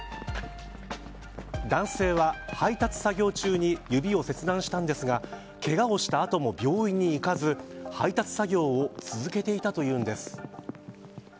男性は配達作業中に指を切断したのですがけがをした後も病院に行かず配達作業を続けていたというんです。